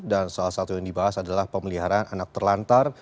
dan salah satu yang dibahas adalah pemeliharaan anak terlantar